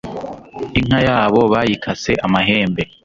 Inka yabo bayikase amahembe